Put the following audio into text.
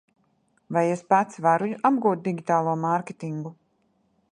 Vai es pats varu apgūt digitālo mārketingu?